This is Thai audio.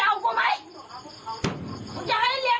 มันจะส่งไปซะเนี้ยไม่วันนั้นมันบอกว่าจะส่งไปซะเนี้ย